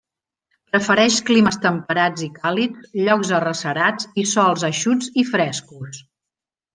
Prefereix climes temperats i càlids, llocs arrecerats i sòls eixuts i frescos.